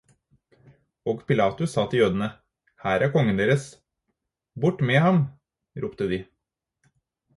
Og Pilatus sa til jødene: «Her er kongen deres!» «Bort med ham!» ropte de.